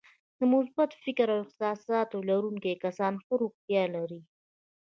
د مثبت فکر او احساساتو لرونکي کسان ښه روغتیا لري.